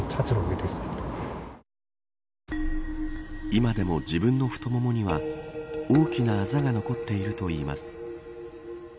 今でも自分の太腿には大きなあざが残っているといいます。